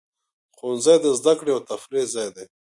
ښوونځی د زده کړې او تفریح ځای دی.